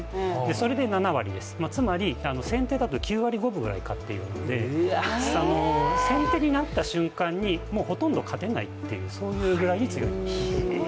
それで７割です、つまり先手だと９割５分ぐらい勝っているので先手になった瞬間にほとんど勝てないというそういうぐらいに強いんです。